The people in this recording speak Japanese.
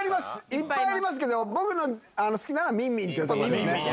いっぱいありますけど、僕の好きなのは、みんみんっていう所ですね。